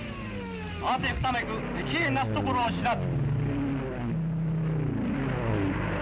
慌てふためく敵兵為すところを知らず」。